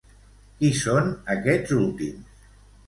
Qui són aquests últims?